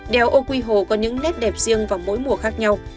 đèo ô quy hồ có những nét đẹp riêng vào mỗi mùa khác nhau